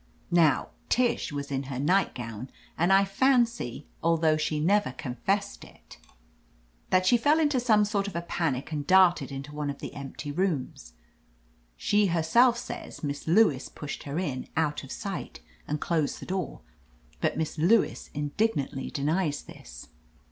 Now, Tish was in her nightgown, and I fancy, although she never confessed it, that 17 THE AMAZING ADVENTURES she fell into some sort of a panic and darted into one of the empty rooms. She herself says Miss Lewis pushed her in, out of sight, and closed the door, but Miss Lewis indignantly denies this.